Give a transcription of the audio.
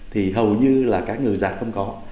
thì hầu như là cá ngừ giá không có